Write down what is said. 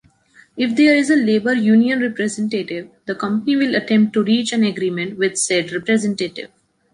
If there is a labor union representative, the company will attempt to reach an agreement with said representative.